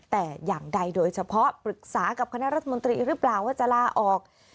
แต่อย่างใดโดยเฉพาะปรึกษากับคณะรัฐมนตรีหรือเปล่าว่าจะลาออก